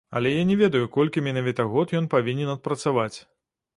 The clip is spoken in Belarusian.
Але я не ведаю, колькі менавіта год ён павінен адпрацаваць.